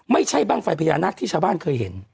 ไม่ใช่บ้างไฟพญานาคที่ชาวบ้านเคยเห็น